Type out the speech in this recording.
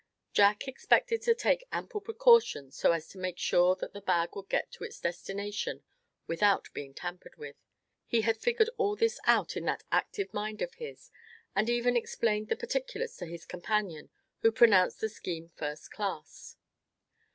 Jack expected to take ample precautions so as to make sure that the bag would get to its destination without being tampered with. He had figured all this out in that active mind of his, and even explained the particulars to his companion, who pronounced the scheme first class.